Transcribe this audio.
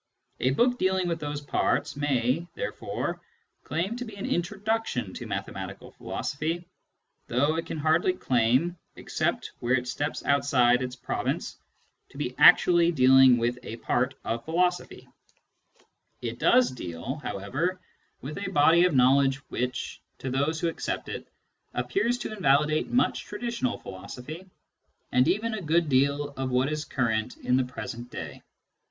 A book dealing with those parts may, therefore, claim to be an introduction to mathematical philosophy, though it can hardly claim, except where it steps outside its province, to be actually dealing with a part of philosophy. It does deal, vi Introduction to Mathematical Philosophy however, with a body of knowledge which, to those who accept it, appears 'to invalidate much traditional philosophy, and even a good deal of what is current in the present day.